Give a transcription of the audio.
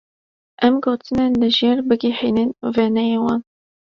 Em gotinên li jêr bigihînin wêneyên wan.